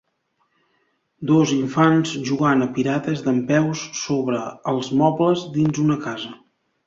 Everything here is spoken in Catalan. Dos infants jugant a pirates dempeus sobre els mobles dins una casa.